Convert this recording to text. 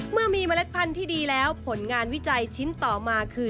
เมื่อมีเมล็ดพันธุ์ที่ดีแล้วผลงานวิจัยชิ้นต่อมาคือ